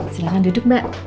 silahkan duduk mbak